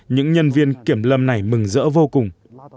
những nhân viên kiểm lâm này mừng rỡ vô cùng